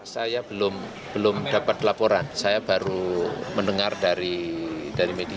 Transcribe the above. saya belum dapat laporan saya baru mendengar dari media